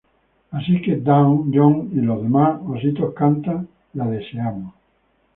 Así que, Dawn, John y los demás ositos cantan "La deseamos!